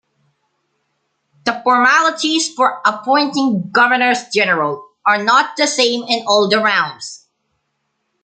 The formalities for appointing governors-general are not the same in all the realms.